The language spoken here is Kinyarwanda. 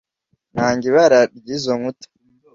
Nanga ibara ryizo nkuta.